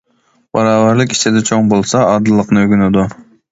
باراۋەرلىك ئىچىدە چوڭ بولسا، ئادىللىقنى ئۆگىنىدۇ.